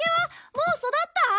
もう育った？